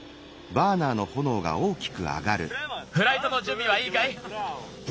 フライトのじゅんびはいいかい？